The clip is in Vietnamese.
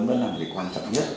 nó là một cái quan trọng nhất